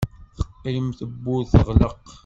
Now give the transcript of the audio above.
Teqqim tewwurt teɣleq.